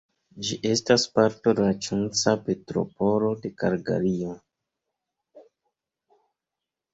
Ĝi estas parto de la Censa Metropolo de Kalgario.